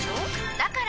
だから！